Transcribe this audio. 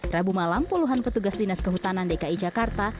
rabu malam puluhan petugas dinas kehutanan dki jakarta